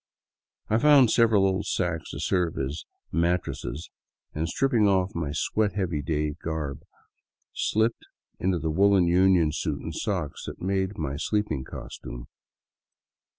I found several old sacks to serve as " mat tress " and, stripping off my sweat heavy day garb, slipped into the woolen union suit and socks that made up my sleeping costume.